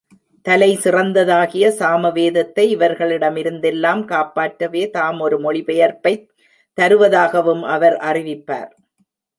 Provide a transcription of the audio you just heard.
நான்கு வேதங்களில் தலைசிறந்ததாகிய சாமவேதத்தை இவர்களிடமிருந்தெல்லாம் காப்பாற்றவே தாம் ஒரு மொழிபெயர்ப்பைத் தருவதாகவும் அவர் அறிவிப்பார்.